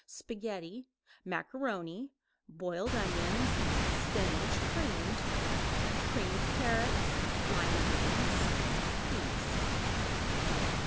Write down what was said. Spaghetti, macaroni, boiled onions, spinach, creamed, creamed carrots, lima beans, peas.